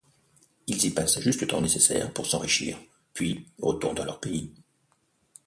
Ils y passent juste le temps nécessaire pour s'enrichir puis retournent dans leur pays.